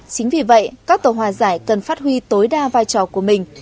chính vì vậy các tổ hòa giải cần phát huy tối đa vai trò của mình